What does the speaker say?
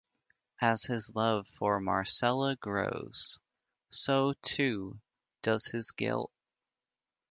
As his love for Marcella grows, so too does his guilt.